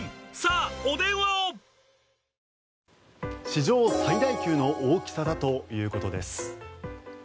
史上最大級の大きさだということです。